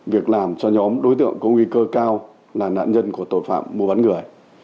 việc làm cho nhóm đối tượng có nguy cơ cao là nạn nhân của tội phạm mua bán người